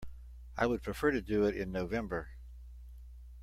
I would prefer to do it in November.